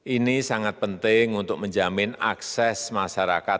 ini sangat penting untuk menjamin akses masyarakat